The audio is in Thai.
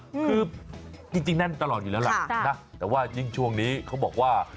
คือจริงแน่นตลอดอยู่แล้วล่ะนะแต่ว่ายิ่งช่วงนี้เขาบอกว่า